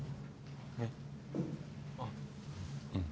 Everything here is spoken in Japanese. えっあっうん。